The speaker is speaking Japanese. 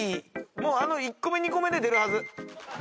もうあの１個目２個目で出るはず。